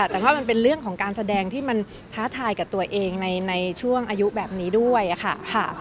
แต่ว่ามันเป็นเรื่องของการแสดงที่มันท้าทายกับตัวเองในช่วงอายุแบบนี้ด้วยค่ะ